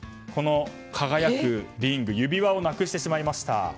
輝くリング、指輪をなくしてしまいました。